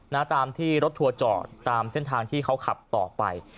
ตามรถทัวร์ที่เหตุจอดตามทางขับไป